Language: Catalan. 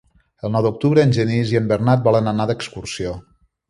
El nou d'octubre en Genís i en Bernat volen anar d'excursió.